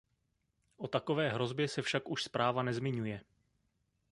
O takové hrozbě se však už zpráva nezmiňuje.